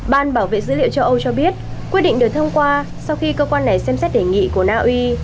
ban bảo vệ dữ liệu châu âu cho biết quyết định được thông qua sau khi cơ quan này xem xét đề nghị của naui